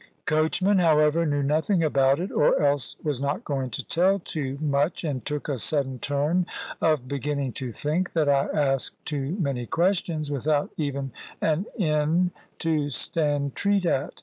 Coachman, however, knew nothing about it, or else was not going to tell too much, and took a sudden turn of beginning to think that I asked too many questions, without even an inn to stand treat at.